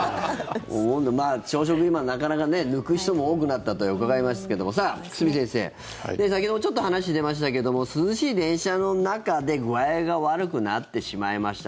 朝食、今なかなか抜く人も多くなったと伺いますけども久住先生、先ほどちょっと話出ましたけども涼しい電車の中で具合が悪くなってしまいました。